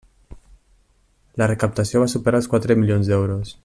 La recaptació va superar els quatre milions d'euros.